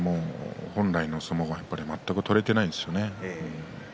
本来の相撲を全く取れていないです。